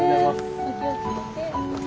お気をつけて。